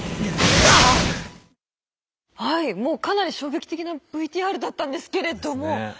はいもうかなり衝撃的なＶＴＲだったんですけれども。